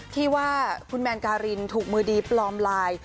ที่ว่าคุณแมนการินถูกมือดีปลอมไลน์